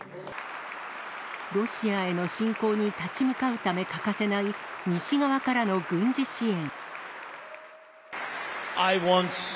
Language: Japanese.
ロシアへの侵攻に立ち向かうため欠かせない、西側からの軍事支援。